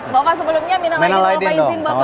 bapak sebelumnya minal aidin maafkan izin bapak